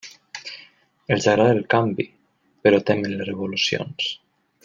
Els agrada el canvi; però temen les revolucions.